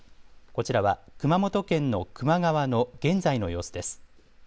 こちらは熊本県の球磨川の現在の様子です。